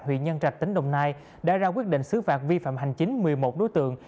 huyện nhân trạch tỉnh đồng nai đã ra quyết định xứ phạt vi phạm hành chính một mươi một đối tượng